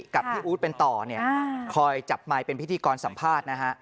กับพี่อู๊ดเป็นต่อเนี่ยคอยจับไมค์เป็นพิธีกรสัมภาษณ์นะฮะ